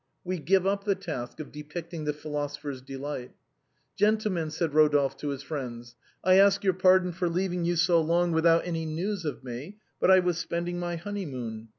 We give up the task of depicting the philosopher's de light. " Gentlemen," said Rodolphe to his friends, " I ask your pardon for leaving you so long without any news of me, but I was spending my honeymoon."